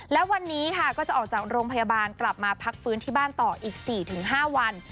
และวันนี้ค่ะก็จะออกจากโรงพยาบาลกลับมาพักฟื้นที่บ้านต่ออีก๔๕วัน